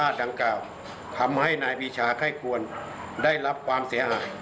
ทำให้นายปีชาไข้ควรได้รับความเสียหาย